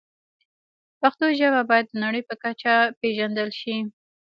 پښتو ژبه باید د نړۍ په کچه پېژندل شي.